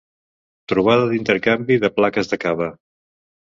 Trobada d'intercanvi de plaques de cava.